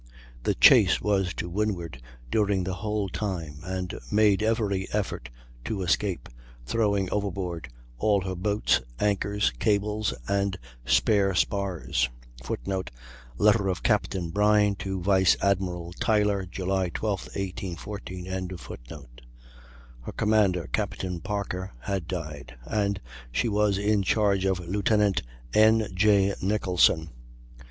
The chase was to windward during the whole time, and made every effort to escape, throwing overboard all her boats, anchors, cables, and spare spars. [Footnote: Letter of Capt. Brine to Vice Admiral Tyler, July 12. 1814.] Her commander, Captain Parker, had died, and she was in charge of Lieut. N. J. Nicholson.